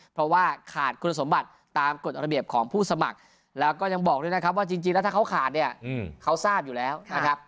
เพราะว่าขาดคุณสมบัติตามกฎระเบียบของผู้สมัครแล้วก็ยังบอกด้วยนะครับว่าจริงแล้วถ้าเขาขาดเนี่ยเขาทราบอยู่แล้วนะครับ